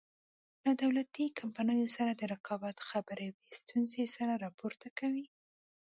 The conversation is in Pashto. له دولتي کمپنیو سره د رقابت خبره وي ستونزې سر راپورته کوي.